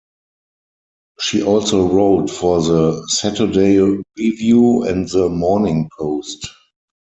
She also wrote for the "Saturday Review" and the "Morning Post".